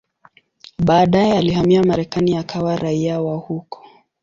Baadaye alihamia Marekani akawa raia wa huko.